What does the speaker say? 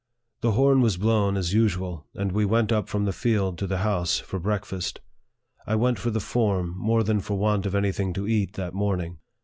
The horn was blown as usual, and we went up from the field to the house for breakfast. I went for the form, more than for want of any thing to eat that morning.